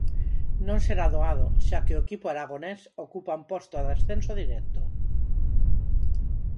Non será doado, xa que o equipo aragonés ocupa un posto de ascenso directo.